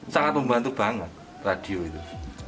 sangat membantu banget radio itu